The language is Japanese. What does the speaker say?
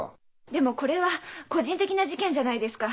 でもこれは個人的な事件じゃないですか。